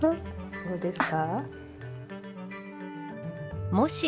どうですか？